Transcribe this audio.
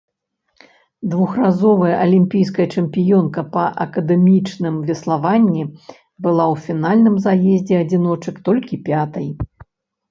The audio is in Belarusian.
Двухразовая алімпійская чэмпіёнка па акадэмічным веславанні была ў фінальным заездзе адзіночак толькі пятай.